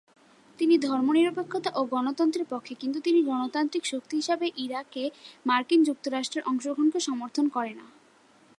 তিনি ধর্মনিরপেক্ষতা ও গণতন্ত্রের পক্ষে, কিন্তু তিনি গণতান্ত্রিক শক্তি হিসেবে ইরাকে মার্কিন যুক্তরাষ্ট্রের অংশগ্রহণকে সমর্থন করেন না।